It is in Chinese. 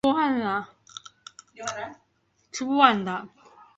细纹蚬蝶属是蚬蝶亚科蚬蝶族里的一个属。